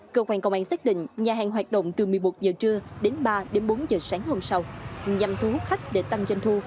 cơ quan công an xác định nhà hàng hoạt động từ một mươi một giờ trưa đến ba đến bốn h sáng hôm sau nhằm thu hút khách để tăng doanh thu